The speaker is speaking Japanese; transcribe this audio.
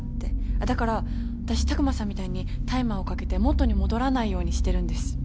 だから私琢磨さんみたいにタイマーをかけて元に戻らないようにしてるんです。